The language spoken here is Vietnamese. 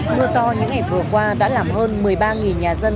mưa to những ngày vừa qua đã làm hơn một mươi ba nhà dân